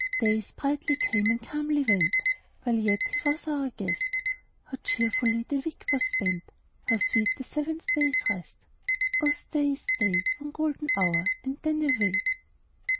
Days brightly came and calmly went, While yet he was our guest ; How cheerfully the week was spent ! How sweet the seventh day's rest ! Oh stay, oh stay. One golden hour, and then away.